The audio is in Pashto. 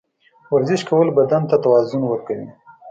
ورزش کول بدن ته توازن ورکوي.